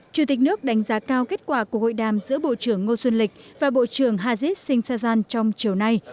chủ tịch nước đánh giá cao kết quả của hội đàm giữa bộ trưởng ngô xuân lịch và bộ trưởng hazid singh sajjan trong chiều nay